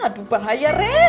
aduh bahaya ren